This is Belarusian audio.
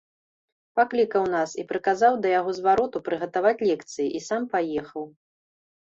Паклікаў нас і прыказаў да яго звароту прыгатаваць лекцыі і сам паехаў.